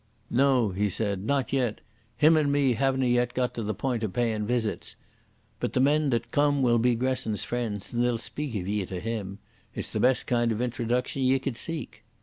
"No," he said. "Not yet. Him and me havena yet got to the point o' payin' visits. But the men that come will be Gresson's friends and they'll speak of ye to him. It's the best kind of introduction ye could seek."